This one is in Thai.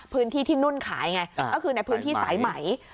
พื้นที่ที่นุ่นขายไงก็คือในพื้นที่สายไหม